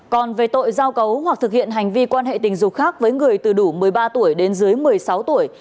còn về tội giao cấu hoặc thực hiện hành vi quan hệ tình dục khác với người từ đủ một mươi ba tuổi đến dưới một mươi sáu tuổi